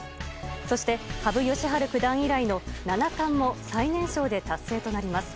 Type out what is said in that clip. そして羽生善治九段以来の七冠も最年少で達成となります。